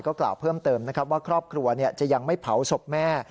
กล่าวเพิ่มเติมนะครับว่าครอบครัวจะยังไม่เผาศพแม่